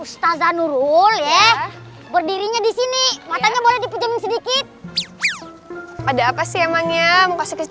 ustazanurul ya berdirinya disini matanya boleh dipenjami sedikit ada apa sih emangnya mau kasih